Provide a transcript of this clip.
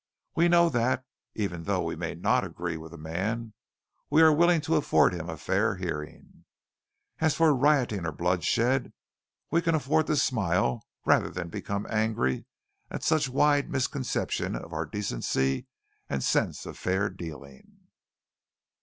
We know that, even though we may not agree with a man, we are willing to afford him a fair hearing. And as for rioting or bloodshed, we can afford to smile rather than become angry at such wide misconception of our decency and sense of fair dealing."